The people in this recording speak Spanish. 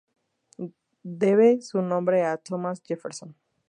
Debe su nombre a Thomas Jefferson.